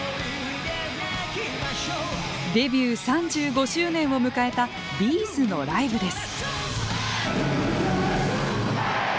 デビュー３５周年を迎えた Ｂ’ｚ のライブです。